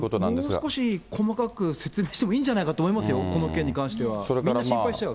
もう少し細かく説明してもいいんじゃないかと思いますよ、この件に関しては。みんな心配しちゃう。